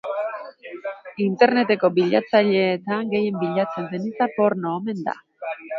Interneteko bilatzaileetan gehien bilatzen den hitza porno omen da.